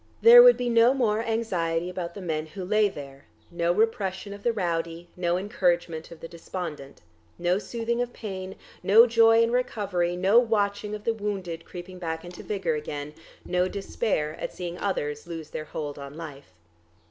There would be no more anxiety about the men who lay there, no repression of the rowdy, no encouragement of the despondent, no soothing of pain, no joy in recovery, no watching of the wounded creeping back into vigour again, no despair at seeing others lose their hold on life.